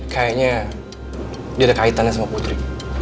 kayaknya tidak ada kaitannya sama putri